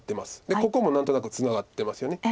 でここも何となくツナがってますよね。